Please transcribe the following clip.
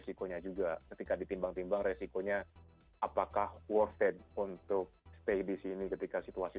resikonya juga ketika ditimbang timbang resikonya apakah worth it untuk stay di sini ketika situasi